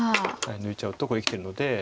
抜いちゃうとこれ生きてるので。